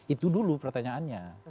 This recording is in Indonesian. itu dulu pertanyaannya